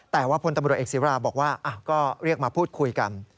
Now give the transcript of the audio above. แต่ว่าพลตำรวจเอกศิวราบอกว่าก็เรียกมาพูดคุยกัน